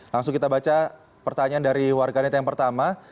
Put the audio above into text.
langsung kita baca pertanyaan dari warganet yang pertama